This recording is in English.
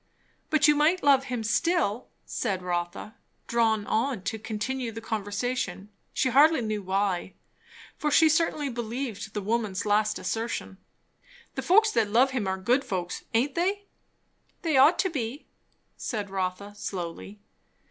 "But you might love him, still," said Rotha, drawn on to continue the conversation, she hardly knew why, for she certainly believed the woman's last assertion. "The folks that love him are good folks, aint they?" "They ought to be," said Rotha slowly.